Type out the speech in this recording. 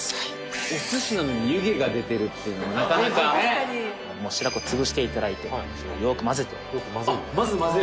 お寿司なのに湯気が出てるっていうのはなかなかもう白子つぶしていただいてよく混ぜてよく混ぜる